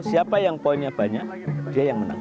siapa yang poinnya banyak dia yang menang